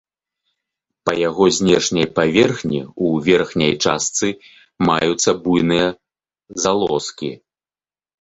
Па яго знешняй паверхні ў верхняй частцы маюцца буйныя залозкі.